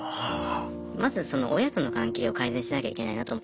まずその親との関係を改善しなきゃいけないなと。